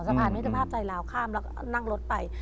สะพานมิตรภาพไทยลาวข้ามแล้วก็นั่งรถไป